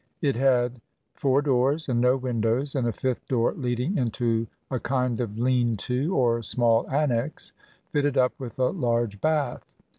It had four doors and no windows, and a fifth door leading into a kind of lean to, or small annex, fitted up with a large bath.